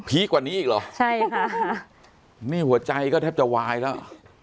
กว่านี้อีกเหรอใช่ค่ะนี่หัวใจก็แทบจะวายแล้ว